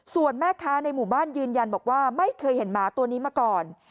ส่วนแม่ค้าในหมู่บ้านยืนยันบอกว่าไม่เคยเห็นหมาตัวนี้มาก่อน